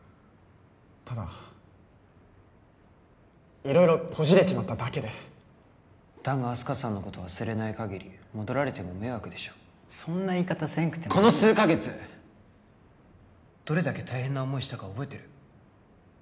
ただ色々こじれちまっただけで弾があす花さんのこと忘れないかぎり戻られても迷惑でしょそんな言い方せんくてもこの数カ月どれだけ大変な思いしたか覚えてる？